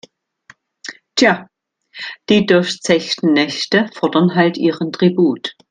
Tja, die durchzechten Nächte fordern halt ihren Tribut.